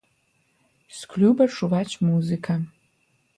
З клуба чуваць музыка.